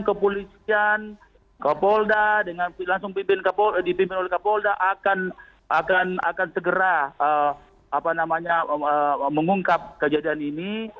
kepolisian kapolda dengan langsung dipimpin oleh kapolda akan segera mengungkap kejadian ini